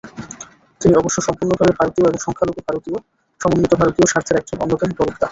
তিনি অবশ্য সম্পূর্ণভাবে ভারতীয় এবং সংখ্যালঘু সমন্বিত ভারতীয় স্বার্থের একজন অন্যতম প্রবক্তা।